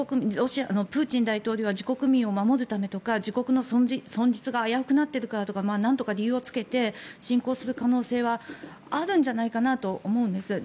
プーチン大統領は自国民を守るためとか自国の存続が危うくなってるからとかなんとか理由をつけて侵攻する可能性はあるんじゃないかなと思うんです。